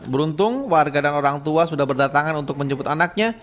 beruntung warga dan orang tua sudah berdatangan untuk menjemput anaknya